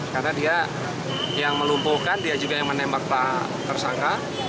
karena dia yang melumpuhkan dia juga yang menembak pak tersangka